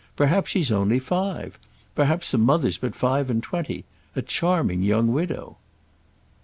Perhaps she's only five. Perhaps the mother's but five and twenty—a charming young widow."